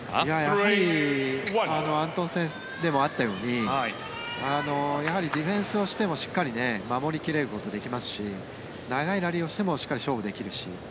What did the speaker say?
やはりアントンセンでもあったようにやはりディフェンスをしてもしっかり守り切れることができますし長いラリーをしてもしっかり勝負できるし。